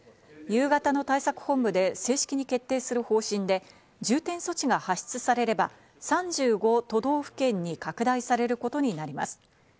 夕方の対策本部で正式に決定する方針で、重点措置が発出されれば、３５都道府県に拡大されることになります。